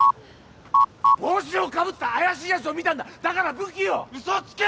帽子をかぶった怪しいやつを見たんだだから武器をウソつけ！